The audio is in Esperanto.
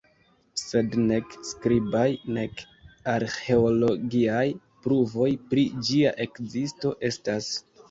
Sed nek skribaj, nek arĥeologiaj pruvoj pri ĝia ekzisto estas.